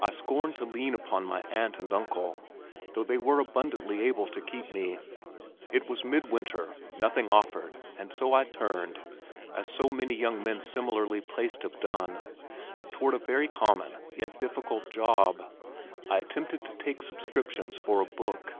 I scorned to lean upon my aunt and uncle, though they were abundantly able to keep me. It was mid winter, nothing offered and so I turned (as so many young men similarly placed have done), toward a very common yet difficult job. I attempted to take subscriptions for a book.